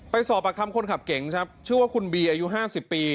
ไปสอบประคัมคนขับเก่งชื่อว่าคุณบีอายุ๕๐ปี